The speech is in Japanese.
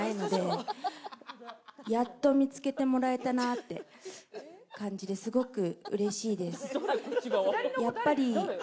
やっと見つけてもらえたなって感じで、すごくうれしいです。